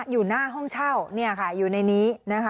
อยู่หน้าห้องเช่าอยู่ในนี้นะคะ